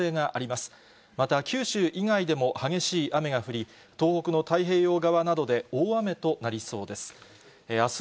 また、九州以外でも激しい雨が降り、東北の太平洋側などで大雨となりそうです。